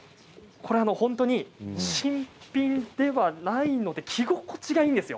新品ではないので着心地がいいんですよ。